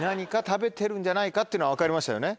んじゃないかっていうのは分かりましたよね。